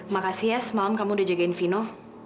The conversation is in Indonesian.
makasih ya semalam kamu udah jagain fino